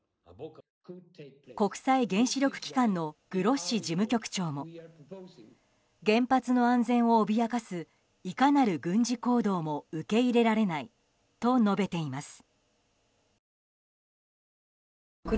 国際原子力機関のグロッシ事務局長も原発の安全を脅かすいかなる軍事行動も受け入れられないと述べています。